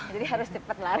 jadi harus cepet lari